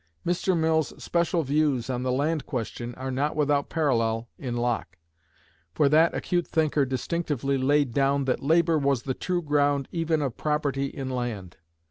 Mr. Mill's special views on the land question are not without parallel in Locke; for that acute thinker distinctively laid down that "labor" was the true ground even of property in land.